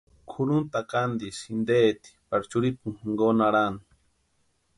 Kʼurhunta takantisï jinteeti pari churhipu jinkoni arhani.